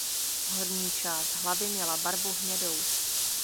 Horní část hlavy měla barvu hnědou.